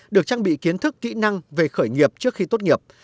được trang bị kiến thức kỹ năng về khởi nghiệp trước khi tốt nghiệp